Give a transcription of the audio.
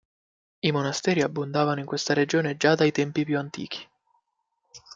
I monasteri abbondavano in questa regione già dai tempi più antichi.